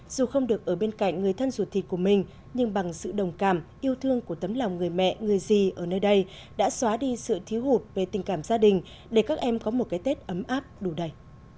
dù không được ở bên cạnh người thân ruột thịt của mình nhưng bằng sự đồng cảm yêu thương của tấm lòng người mẹ người gì ở nơi đây đã xóa đi sự thiếu hụt về tình cảm gia đình để các em có một cái tết ấm áp đủ đầy